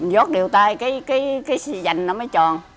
vót điều tai cái vành nó mới tròn